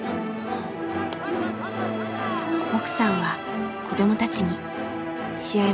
奥さんは子供たちに試合